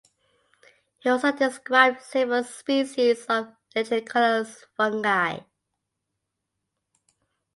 He also described several species of lichenicolous fungi.